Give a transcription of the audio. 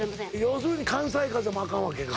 要するに関西風もアカンわけか